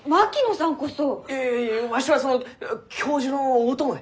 いやいやいやわしはその教授のお供で。